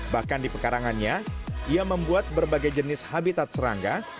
bahkan di pekarangannya ia membuat berbagai jenis habitat serangga